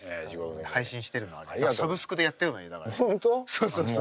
そうそうそう。